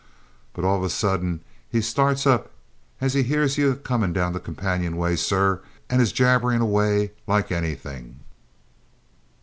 But all of a suddink he starts up as he hears you a comin' down the companion way, sir, and is jabbering away like anythink!"